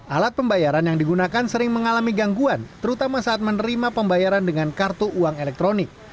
alat pembayaran yang digunakan sering mengalami gangguan terutama saat menerima pembayaran dengan kartu uang elektronik